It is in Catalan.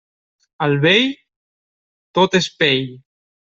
El vell, tot és pell.